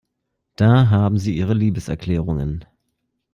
Da haben Sie Ihre Liebeserklärungen.